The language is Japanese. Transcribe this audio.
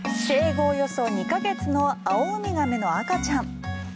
生後およそ２か月のアオウミガメの赤ちゃん。